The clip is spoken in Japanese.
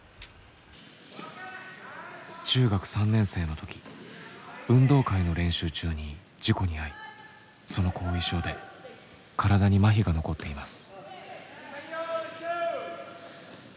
中学３年生の時運動会の練習中に事故に遭いその後遺症で体に麻痺が残っています。